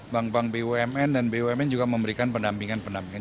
bank bank bumn dan bumn juga memberikan pendampingan pendampingan